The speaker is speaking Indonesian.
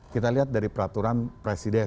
kita lihat dari peraturan presiden